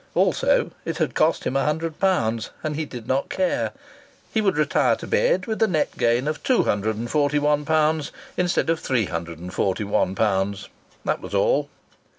Also, it had cost him a hundred pounds, and he did not care; he would retire to bed with a net gain of two hundred and forty one pounds instead of three hundred and forty one pounds that was all!